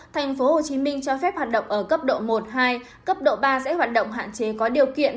tp hcm cho phép hoạt động ở cấp độ một hai cấp độ ba sẽ hoạt động hạn chế có điều kiện